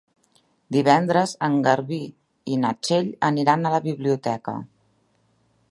Divendres en Garbí i na Txell aniran a la biblioteca.